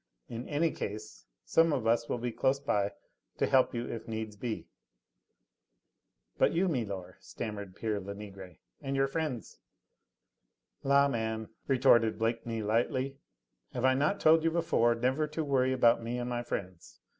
In any case some of us will be close by to help you if needs be." "But you, milor," stammered pere Lenegre, "and your friends ?" "La, man," retorted Blakeney lightly, "have I not told you before never to worry about me and my friends?